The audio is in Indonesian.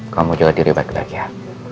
kamu juga diri baik baik ya